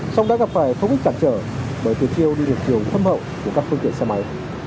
xong đã gặp phải thông ích cản trở bởi từ chiều đi được chiều thâm hậu của các phương tiện xe máy